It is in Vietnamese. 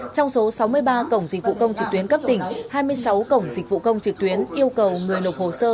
trong số sáu mươi ba cổng dịch vụ công trực tuyến cấp tỉnh hai mươi sáu cổng dịch vụ công trực tuyến yêu cầu người nộp hồ sơ